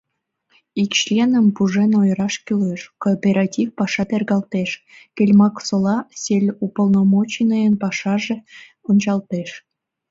Ик членым пужен ойыраш кӱлеш; кооператив паша тергалтеш; Кельмаксола сельуполномоченныйын пашаже ончалтеш.